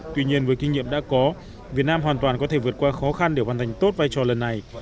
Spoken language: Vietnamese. tuy nhiên với kinh nghiệm đã có việt nam hoàn toàn có thể vượt qua khó khăn để hoàn thành tốt vai trò lần này